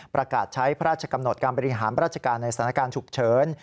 ประกาศใช้พระราชกำหนดการบริหารราชการในสถานการณ์ฉุกเฉิน